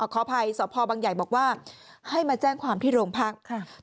ขออภัยสพบังใหญ่บอกว่าให้มาแจ้งความที่โรงพัก